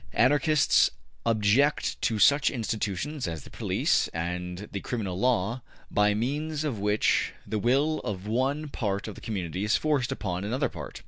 Anarchists object to such institutions as the police and the criminal law, by means of which the will of one part of the community is forced upon another part.